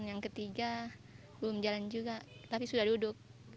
yang ketiga belum jalan juga tapi sudah duduk